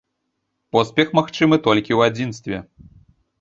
Поспех магчымы толькі ў адзінстве.